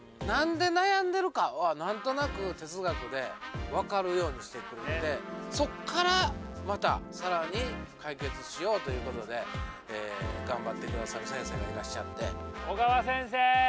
なんで悩んでるかはなんとなく哲学で分かるようにしてくれてそこから、またさらに解決しようということで頑張ってくださる先生がいらっしゃって。